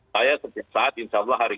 saya setiap saat insya allah hari